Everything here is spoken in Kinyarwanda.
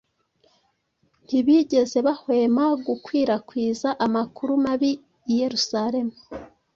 ntibigeze bahwema gukwirakwiza amakuru mabi i Yerusalemu